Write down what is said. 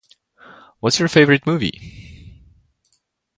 What's your favorite movie?